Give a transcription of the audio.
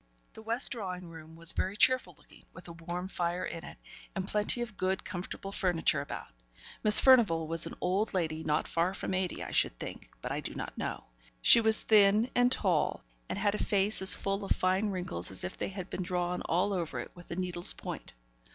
The west drawing room was very cheerful looking, with a warm fire in it, and plenty of good, comfortable furniture about. Miss Furnivall was an old lady not far from eighty, I should think, but I do not know. She was thin and tall, and had a face as full of fine wrinkles as if they had been drawn all over it with a needle's point.